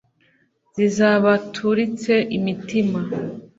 zizabaturitse imitima